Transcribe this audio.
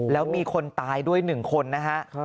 แล้วมีคนตายด้วย๑คนนะฮะ